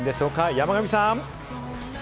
山神さん。